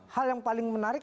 hal yang paling menarik